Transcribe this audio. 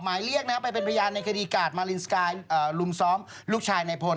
หมายเรียกไปเป็นพยานในคดีกาดมารินสกายรุมซ้อมลูกชายในพล